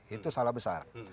itu salah besar